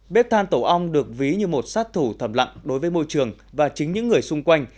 bếp than tổ ong được ví như một sát thủ thầm lặng đối với môi trường và chính những người xung quanh